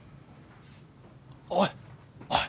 おいおい